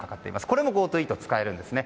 これもＧｏＴｏイート使えるんですね。